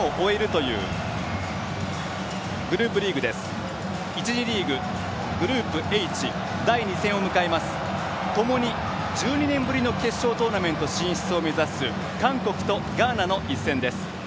ともに１２年ぶりの決勝トーナメント進出を目指す韓国とガーナの一戦です。